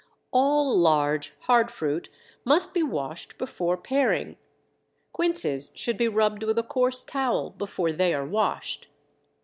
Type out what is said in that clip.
All large, hard fruit must be washed before paring. Quinces should be rubbed with a coarse towel before they are washed.